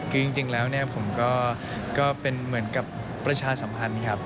คือจริงแล้วผมก็เป็นเหมือนกับประชาสำคัญครับ